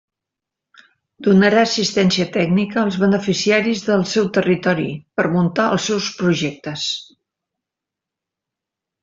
Donarà assistència tècnica als beneficiaris del seu territori per muntar els seus projectes.